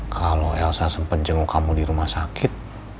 kalau elsa sempat jenguk kamu di rumah sakit